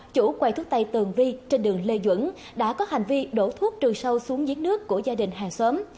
chủ quầy thuốc tây tường vi trên đường lê duẩn đã có hành vi đổ thuốc trừ sâu xuống giếng nước của gia đình hàng xóm